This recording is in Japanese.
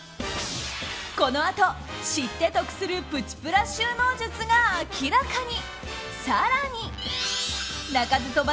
このあと、知って得するプチプラ収納術が明らかに！